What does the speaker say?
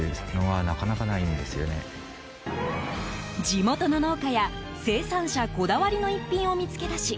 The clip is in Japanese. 地元の農家や生産者こだわりの逸品を見つけ出し